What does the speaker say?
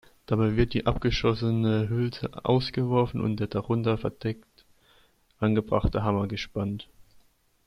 Dabei wird die abgeschossene Hülse ausgeworfen und der darunter verdeckt angebrachte Hammer gespannt.